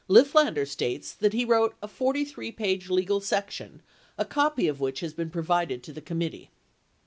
Lifflander states he wrote a 43 page legal section, a copy of which has been provided to the committee.